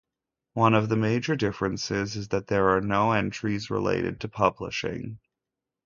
One of the major differences is that there are no entries related to publishing.